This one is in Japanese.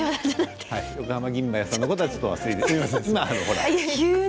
横浜銀蝿さんのことはちょっと忘れて。